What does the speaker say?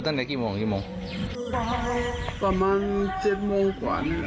ตั้งแต่กี่โมงกว่ากี่โมงประมาณเจ็ดโมงกว่านี้หรอ